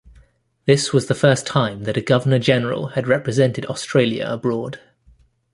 This was the first time that a Governor-General had represented Australia abroad.